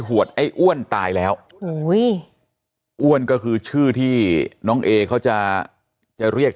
วดไอ้อ้วนตายแล้วอ้วนก็คือชื่อที่น้องเอเขาจะจะเรียก